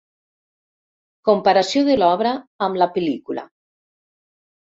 Comparació de l'obra amb la pel•lícula.